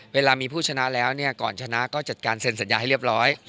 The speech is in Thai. เวลามีผู้ชนะแล้วเนี่ยก่อนชนะก็จัดการเซ็นสัญญาให้เรียบร้อย